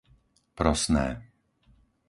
Prosné